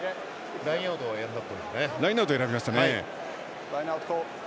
ラインアウトを選びましたね。